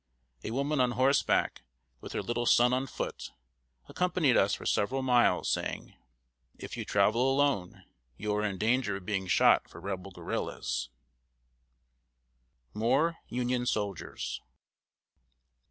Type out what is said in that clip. A woman on horseback, with her little son on foot, accompanied us for several miles, saying: "If you travel alone, you are in danger of being shot for Rebel guerrillas." [Sidenote: MORE UNION SOLDIERS.